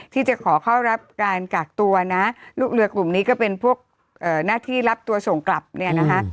ที่จะขอเข้ารับการกากตัวนะลูกเรือกลุ่มนี้ก็เป็นพวกหน้าที่รับตัวส่งกลับเนี่ยนะคะ